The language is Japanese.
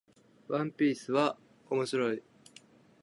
ワンピースは面白い